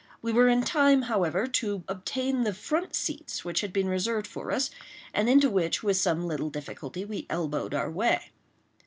We were in time, however, to obtain the front seats which had been reserved for us, and into which, with some little difficulty, we elbowed our way.